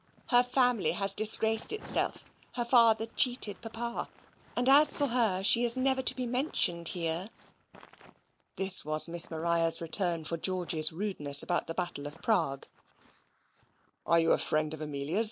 "Her family has disgraced itself. Her father cheated Papa, and as for her, she is never to be mentioned HERE." This was Miss Maria's return for George's rudeness about the Battle of Prague. "Are you a friend of Amelia's?"